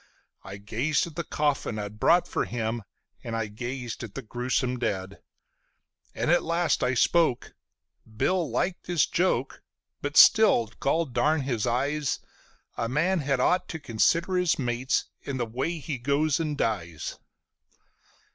I gazed at the coffin I'd brought for him, and I gazed at the gruesome dead, And at last I spoke: "Bill liked his joke; but still, goldarn his eyes, A man had ought to consider his mates in the way he goes and dies."